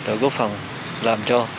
và góp phần làm cho